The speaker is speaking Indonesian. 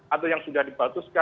atau yang sudah dibatuskan